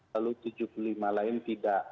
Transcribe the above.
lalu tujuh puluh lima lain tidak